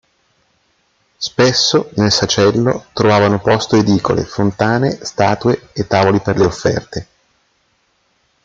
Spesso nel sacello trovavano posto edicole, fontane, statue e tavoli per le offerte.